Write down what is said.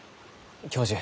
教授